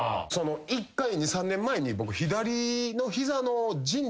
１回２３年前に僕。